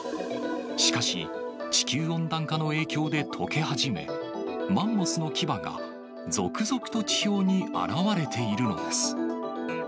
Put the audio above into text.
しかし、地球温暖化の影響でとけ始め、マンモスの牙が続々と地表に現れているのです。